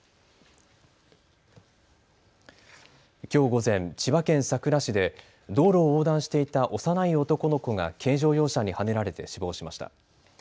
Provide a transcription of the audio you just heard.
きょう午前、千葉県佐倉市で道路を横断していた幼い男の子が軽乗用車にはねられて死亡しました。